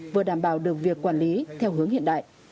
vừa đảm bảo được việc quản lý theo hướng hiện đại